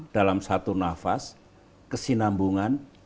dalam satu nafas kesinambungan